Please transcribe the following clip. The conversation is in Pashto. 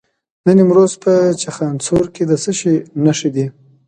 د نیمروز په چخانسور کې د څه شي نښې دي؟